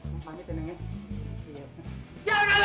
gue emang pada benar benar lo